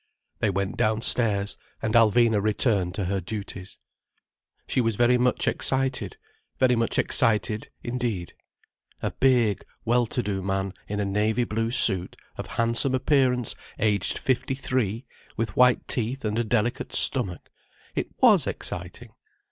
They went downstairs, and Alvina returned to her duties. She was very much excited, very much excited indeed. A big, well to do man in a navy blue suit, of handsome appearance, aged fifty three, with white teeth and a delicate stomach: it was exciting.